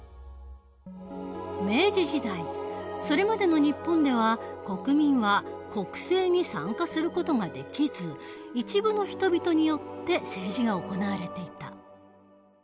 明治時代それまでの日本では国民は国政に参加する事ができず一部の人々によって政治が行われていた。